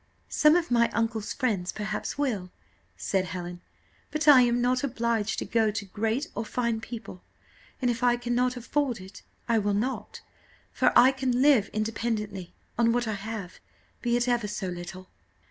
"Some of my uncle's friends perhaps will," said Helen; "but I am not obliged to go to great or fine people, and if I cannot afford it I will not, for I can live independently on what I have, be it ever so little."